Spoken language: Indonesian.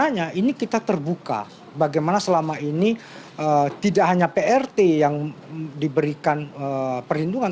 makanya ini kita terbuka bagaimana selama ini tidak hanya prt yang diberikan perlindungan